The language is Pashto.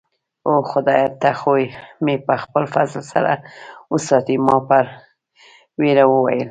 اوه، خدایه، ته خو مې په خپل فضل سره وساتې. ما په ویره وویل.